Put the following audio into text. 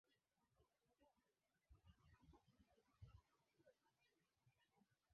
Na kufariki mwaka wa elfu mbili na tisa